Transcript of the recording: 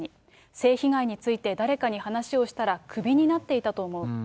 性被害について誰かに話をしたら首になっていたと思う。